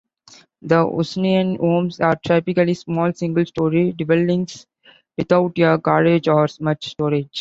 The "Usonian Homes" are typically small, single-story dwellings without a garage or much storage.